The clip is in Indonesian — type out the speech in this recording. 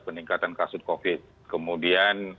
peningkatan kasus covid kemudian